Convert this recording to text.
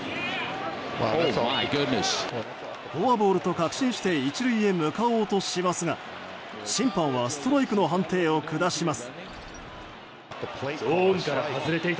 フォアボールと確信して１塁に向かおうとしますが審判はストライクの判定を下します。